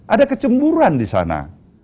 ada kecemburan disana